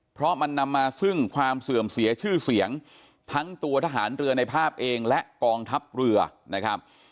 เพราะมันนำมาซึ่งความเสื่อมเสียชื่อเสียงทั้งตัวทหารเรือในภาพเองและกองทัพเรือนะครับ